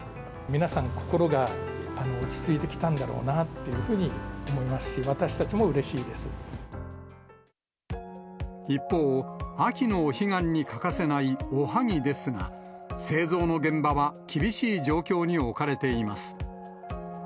皆さん、心が落ち着いてきたんだろうなっていうふうに思いますし、私たち一方、秋のお彼岸に欠かせないおはぎですが、製造の現場は厳しい状況に置かれています。